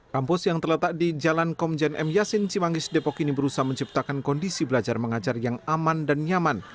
kampus yang terletak di jalan komjen m yasin cimanggis depok ini berusaha menciptakan kondisi belajar mengajar yang aman dan nyaman